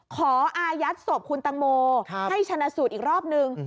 อายัดศพคุณตังโมให้ชนะสูตรอีกรอบนึง